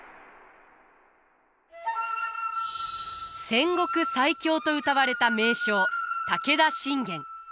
戦国最強とうたわれた名将武田信玄。